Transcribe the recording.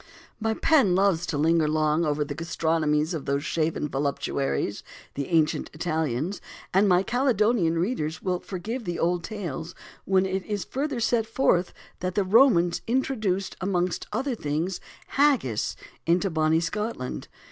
My pen loves to linger long over the gastronomies of those shaven voluptuaries, the ancient Italians; and my Caledonian readers will forgive the old tales when it is further set forth that the Romans introduced, amongst other things, Haggis into Bonnie Scotland.